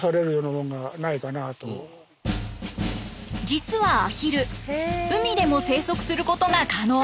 実はアヒル海でも生息することが可能。